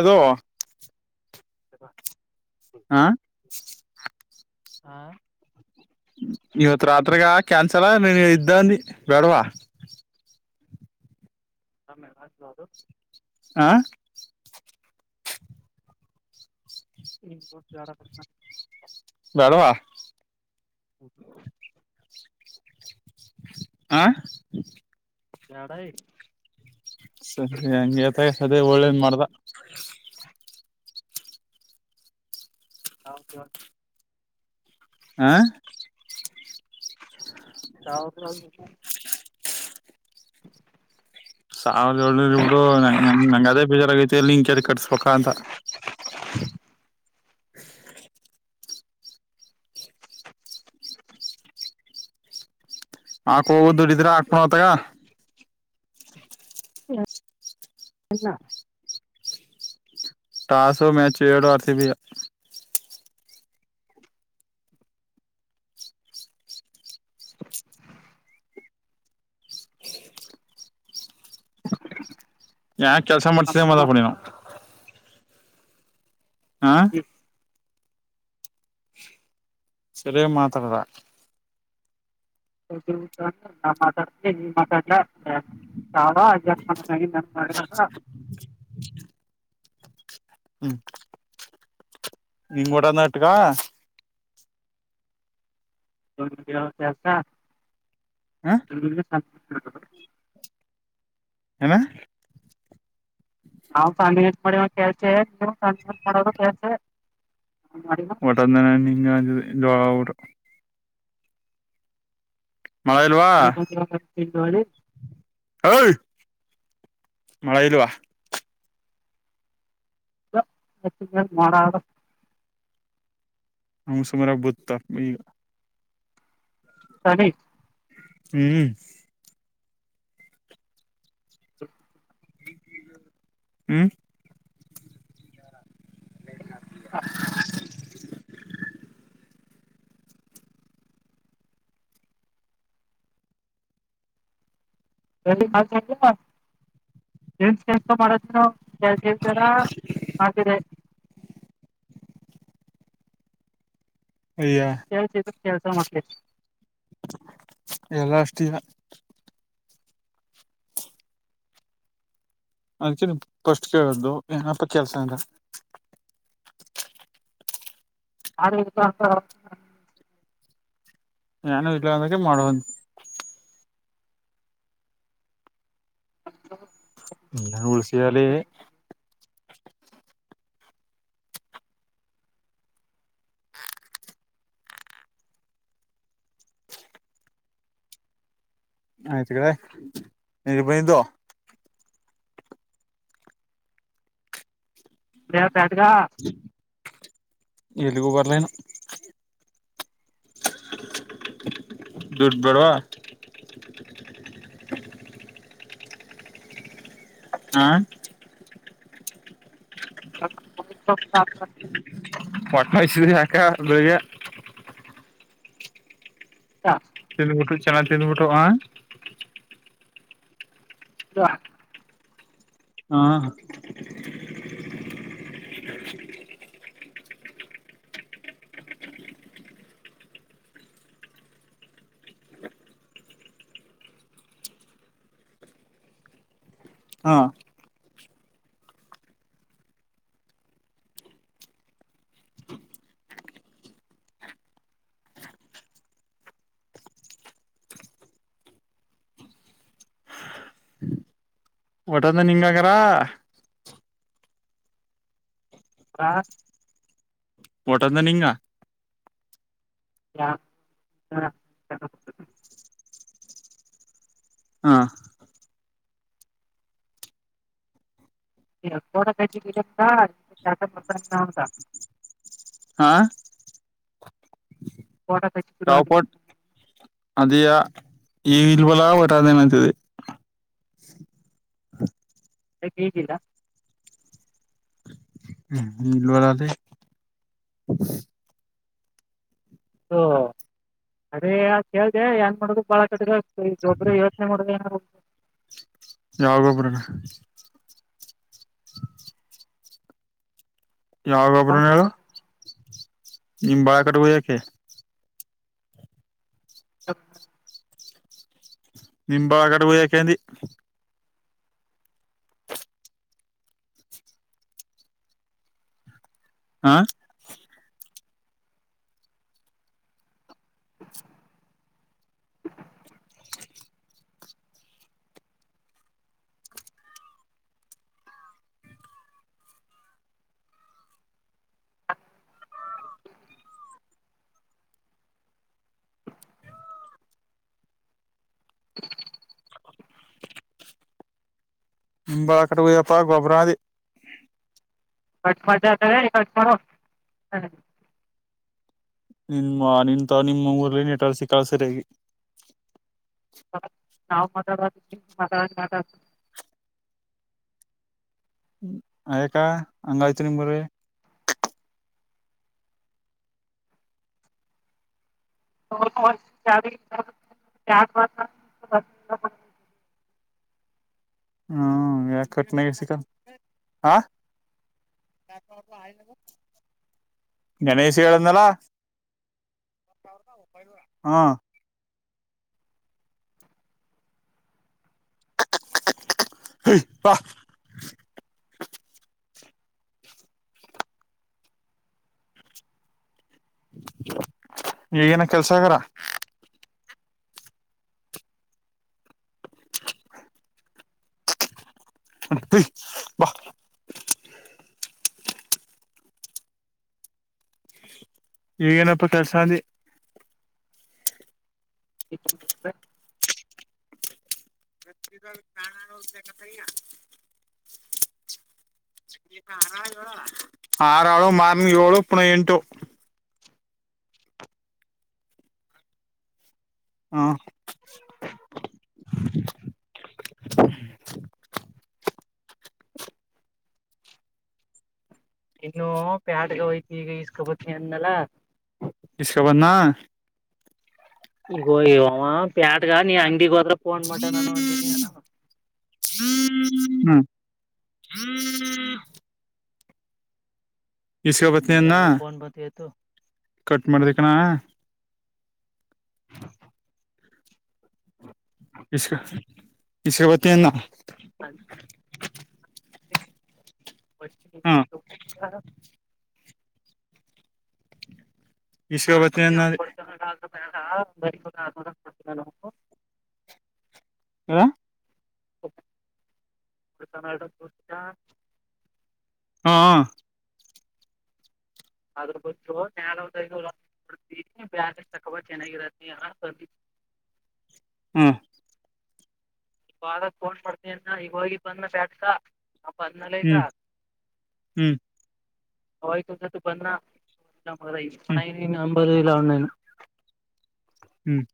ಅದು ಸ ಬ [inaudible] ಹಾ ಹಾ ಇವತ್ ರಾತ್ರಿಗ ಕ್ಯಾನ್ಸಲ್ ನೀ ಇದ್ದಂದು ಬ್ಯಾಡವಾ ಆಮೇಲೆ ಮಾಡಬದು ಆ [unintelligible] ಬಡವಾ ಹ ಆ ಬ್ಯಾಡ ಸರಿ ಹಗೆತ ಅದೇ ಒಳ್ಳೇದ ಮಾಡ್ದ ಹೌದ ಹ ಹಾವ [inaudible] ಸಾವಿದ ಇಬಡು ನಂಗ ನಂಗ ಅದೇ ಬೇಜಾರಾಗೈತಿ ಅಲ್ಲಿಂ ಕದ ಕಟ್ಸ್ಬೇಕ ಅಂತ [inaudible] ಆಕ್ ಹೋಗೋ ದುಡಿದ್ರ ಹಾಕ್ಪಣತ್ತಗ [unintelligible] ಟಾಸ ಮ್ಯಾಚ್ ಏಡು ಆರ್ ಸಿ ಬಿ ಕೆಲಸ ಮಾಡ್ತಿದ ಮದಪ್ಪಾ ನೀನು ಆ ಸರಿ ಮಾತಾಡರ ನಾ ಮಾತಾಡ್ತ ನೀ ಮಾತಾಡ್ಲಾವ ಅಡ್ಸ್ಟ್ ಮಾಡ [unintelligible] [unintelligible] ಹ್ಮ್ ನೀಂಗ ಊಡ ನಟಿಕ [unintelligible] ಹ [unintelligible] [inaudible] ಏನಾ ನಾವ್ ಸ ಮಾಡ ಕೆಲ್ಸ ನೀ ಮಾಡೋ ಕೆಲ್ಸೇ ಒಟ್ಟಂದನ ನಿಂಗ [unintelligible] ಮಳೆ ಇಲ್ವಾ [unintelligible] ಹಯ್ ಮಳೆ ಇಲ್ವಾ [unintelligible] ಹಂಗ್ ಸುಮಾರ ಬತ್ತಾ ಈಗ. ಸರಿ. ಹ್ಮ್. [inaudible] ಹ್ಮ. [unintelligible] [unintelligible] [unintelligible] ಅಯ್ಯ ಕೇಳಿಸಿದರು ಕೆಲಸಲ್ಲಾ ಅಂತಿ. ಇಲ್ಲಾ ಅಷ್ಟಿಲ್ಲ. [unintelligible] ಅದಕ ಫಸ್ಟ್ ಕೇಳ್ದು ಏನಪ್ಪ ಕೆಲ್ಸ ಅಂದ. [unintelligible] ನಾನ ಇಲ್ಲ ಅಂದಕ್ಕೆ ಮಾಡುವಂತ. [unintelligible] ಯಾವ ಊರು ಶಿವಲೆ. ಆಯ್ತು ಕಡೆ [unintelligible] ಅ ಸ್ಯಾಟಗ. ಶಿವು ಬರ್ಲನು. [unintelligible] ದುಡ್ಡ ಬೇಡವಾ. ಹ್ಮ್ಮ್. [unintelligible] ಮಟ್ಟಯಸಿದ್ರಿ ಯಾಕ ಬೆಳಗ. [inaudible] ತಿಂದು ಬಿಟ್ಟು ಚೆನ್ನಾಗಿ ತಿಂದು ಬಿಟವ್. [unintelligible] ಹ್ಮ್ಮ್. ಹ ಒಟದ ನಿಂಗಗಾರ. ಹ. ಊಟತ ನೀಂಗ. [unintelligible] ಹ್ಮ್ಮ್ [unintelligible] ಹ್ಞೂ. ಪೋಟೋ ತೆಗೆಸಿರಿಲ್ಲ ಯಾವ ಅಂದೆ. ಪೋಟ್ ಅದಿಯ ಈ ಇಲ್ಬಲ ಒಟದ ಏನತದೆ. ಅಕ್ಕೆ ಹೇಗಿಲ್ಲ. ಹ್ಮ್ ನೀಲ್ಲರದೆೆ. ಓ ಅದೇ ಕೇಳ್ದ ಏನ್ ಮಾಡುದು ಬಾಳ ಕಡೆ. ಜೊಬ್ರ ಯೋಚನೆ ಮಾಡ ಯಾವೊಬರಣ ಯಾವ ಒಬ್ರನು ಹೇಳ ನಿಮ್ ಬಾಳ ಕಡೆ ಹ್ಯಾಕೆ [unintelligible] ನಿಂಬಳಗಡ ಹ ಯಾಕೆಂದಿ. ಹ್ಮ್ಮ್. ಬಳ ಕಟೋಪ್ಪಾ ಗೊಬ್ಬರದೆ. [unintelligible] ನಿಮ್ಮ ನಿನ್ಂತ ನಿಮ್ಮ ಊರ್ಲ್ಲಿನ್ಟಾಳ್ಸಿ ಕಳಸರಾಗಿ. ನಾವು ಮತ [unintelligible] [unintelligible] [unintelligible] ಹ್ಮ್ ಯ ಕಟ್ಟನ ಸಿಕಲ್ ಆ. ಈ ದಿವಸ ಹೇಳಿದ್ನಲ್ಲ ಹಾ ಹ ವಾ [unintelligible] ಈಗೇನ ಕೆಲ್ಸ ಆಗಾರ ವಾ ಈಗೇನಪ್ಪಾ ಕರ್ಸಾಂದಿ ಇ ಪ್ರಾಣಳತಯ [inaudible] ಆರ ಆಳು ಮಾರ್ನ್ ಏಳು ಪುನಃ ಎಂಟು ಹಾ ಇನ್ನು ಪ್ಯಾಡ್ಗ ಯತಿ ಈಗ ಈಸ್ಕೊಬತ್ತನಿ ಅಂದನ್ನಲ್ಲ ಇಸ್ಕ ಬಂದ್ನಾ ಈಗೋ ಪ್ಯಾಟ್ಗ ನೀ ಅಂಗಡಿಗ ಹೋದ್ರ ಪೋನ್ ಮಟನ್ ಅನ್ನೋ ಅಂತನಿ ಅನೋ ಹ್ಮ್ ಇಸ್ಕೊ ಬತ್ತನಿ ಹ್ಮ್ ಅನ್ನ ಯಾವ್ದೋ ಫೋನ್ ಬಂದಿತ್ತು ಕಟ್ ಮಾಡದಕ್ಕೆಣ ಇಸ್ಕ ಬತ್ತೀನಿ ಹ [unintelligible] ಹಾ [inaudible] ಇಸ್ಕ ಬತ್ನಿ ಅನ್ನ ಅದೇ ಹತ ಬ ನ [unintelligible] ಹಿವ ಸೂ ಹಾ ಅದ್ರ ಗ ನ ಬ್ಯಾಲಸ್ ತಕೊಬ ಚೆನ್ನಾಗಿರತ್ತ ಹ್ಮ ಇವಾಗ ಕೋಡ್ ಮಾಡಡ್ತನಿನ್ನ ಈಗ ಹೋಗಿ ಬಂದ ಬ್ಯಾಟ್ಕಾ ಹಾ ಪನ್ನಾಲಯಗ ಹ್ಮ್ ಹ್ಮ್ ಹಯತುದ ತು ಪ ಪ ಹ್ಮ್ ನಂಬದಲ್ಲ ಒ್ಣನ್ ಹ್ಮ್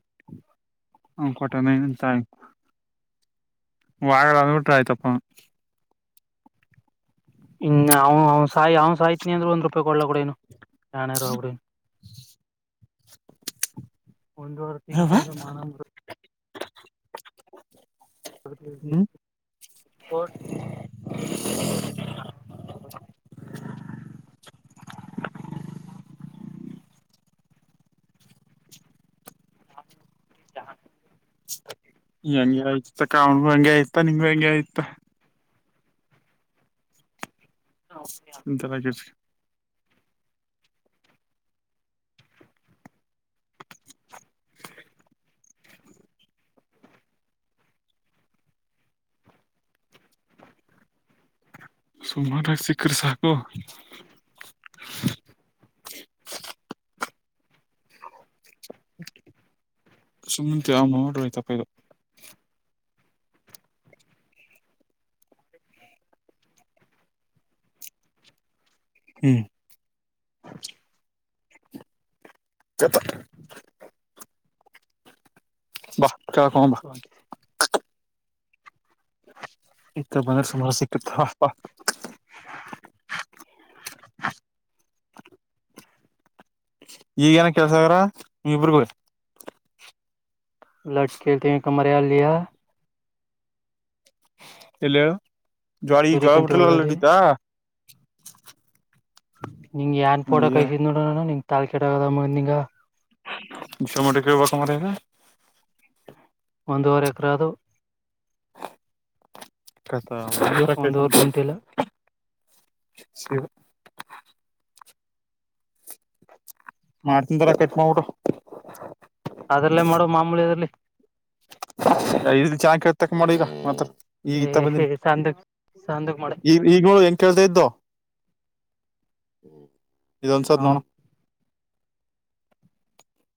ಹ ಹ ಕೊಟ್ಟನಂತಾಯ ಮಾಡಲ್ಲ ಅಂದ್ರೆ ಆಯ್ತಪ್ಪ ಇನ್ನು ಅವ್ ಸಾಯ್ ಅವ್ ಸಾಯ್ತ್ ಅ್ರ ಒಂದ್ ರೂಪಾಯಿ ಕೊಡ್ಲ ಕೂಡ ಏನು ಆನ ರೋಬಡ್ ಒಂದುವರೆ ತಿಂಗಳಿಂದ ಮನ ಹ್ಮ್ [unintelligible] ಹಾ ಹ ಹ ಚ [unintelligible] ಹೆಂಗೆ ಆಯ್ತ ಕಾವಣ ಹಂಗೆ ಆಯ್ತಾ ನಿಂಗ್ ಹೆಂಗಗೆ ಆಯ್ತಾ ಎಂತರಿ [unintelligible] [inaudible] [unintelligible] [inaudible] ಸುಮಾರಕ ಸಿಕ್ಕ್ರ ಸಾಕು ಸುಮ್ಮಂತ ಆ ನೋತಪ್ಪ ಇದು ಹ್ಮ್ ಜತ [unintelligible] ಇತ್ತ ಬಂದ್ರೆ ಸಮಾರ ಸಿಕ್ಕತ [inaudible] ಈಗ ಏನ ಕೆಲ್ಸಗ್ರ ಇಬ್ರಗೂ [unintelligible] ಎಲ್ಲಿ ಹೇಳು ಜೋಳ ಸೂರಿಕಂತಿ ಅಲ್ಲಿ ಹೊಲ್ದಲ್ಲಿ ಲಡಿತಾ ನಿಂಗ ಏನ್ ಪೋಡ ಕೈಸಿದ್ ನೋಡಣ ನಿ ತಾಳ ಕೆಡದ ನಿಂಗ ಇಮಟಕ್ಕೆ ಬಕ ಮಾರೆಯಿದೆ ಒಂದುವರೆ ಎಕರಾದು ಒಂದೂವರೆ ಗುಂಟೆ ಇಲ್ಲ [unintelligible] [unintelligible] ಮಾಡ್ತಂತಾರ ಕೆಟ್ ಮಾಡಡು ಅದ್ರಲ್ಲೇ ಮಾಡುವ ಮಾಮೂಲಿಿಯಲ್ಲಿ ಇದರಲ್ಲಿ ಚೆನ್ನಾಗಿ ಕೇಳಿದ್ ತಕ್ಷಣ ಮಾತಾಡು ಈಗ ಇತ್ತ ಬಂದನಿ ಏ ಸಂದಕ್ ಸಂದಕ್ ಮಾಡ ಈಗ ಈಗ್ ನೋ ಹೆಂಗ ಕೇಳ್ತಾ ಇದ್ದೋ ಇದು ಒಂದ್ ಸರ್ ಹ್ಮ ನೋಣ